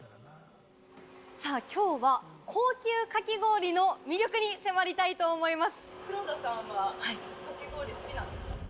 さあ、きょうは高級かき氷の魅力に迫りたいと思います。